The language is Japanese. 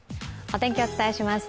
お天気、お伝えします。